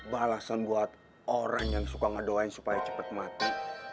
balasan buat orang yang suka ngedoain supaya cepat mati